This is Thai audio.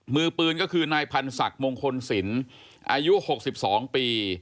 มือปืนคือนายพันศักดิ์มงคลสินอายุ๖๒ปี